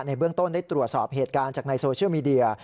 เบื้องต้นได้ตรวจสอบเหตุการณ์จากในโซเชียลมีเดีย